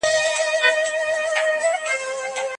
مثال ښودل د کورنۍ دنده ده.